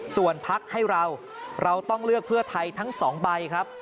ส่วนพักให้เราเราต้องเลือกเพื่อไทยทั้ง๒ใบครับ